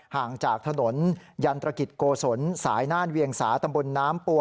ห่างจากถนนยันตรกิจโกศลสายน่านเวียงสาตำบลน้ำปัว